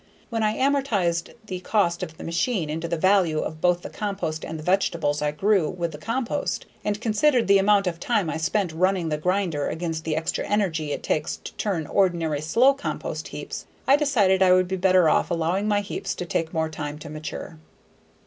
When I amortized the cost of the machine into the value of both the compost and the vegetables I grew with the compost, and considered the amount of time I spent running the grinder against the extra energy it takes to turn ordinary slow compost heaps I decided I would be better off allowing my heaps to take more time to mature.